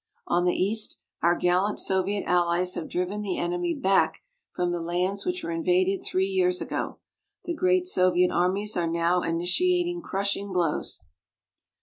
On the east our gallant Soviet allies have driven the enemy back from the lands which were invaded three years ago. The great Soviet armies are now initiating crushing blows.